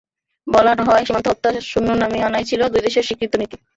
বলা হয়, সীমান্ত-হত্যা শূন্যে নামিয়ে আনাই ছিল দুই দেশের স্বীকৃত নীতি।